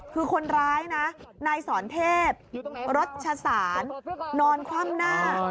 คือคนร้ายนายสอนเทพรัชศาสตร์นอนความหน้า